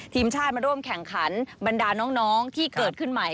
ทีมชาติมาร่วมแข่งขันบรรดาน้องที่เกิดขึ้นใหม่